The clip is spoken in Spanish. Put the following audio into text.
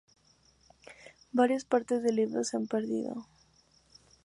Varias partes del libro se han perdido.